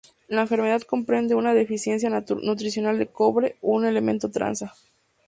La enfermedad comprende una deficiencia nutricional de cobre, un elemento traza.